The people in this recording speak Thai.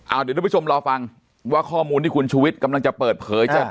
เดี๋ยวทุกผู้ชมรอฟังว่าข้อมูลที่คุณชูวิทย์กำลังจะเปิดเผยจะ